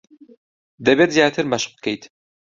دەبێت زیاتر مەشق بکەیت.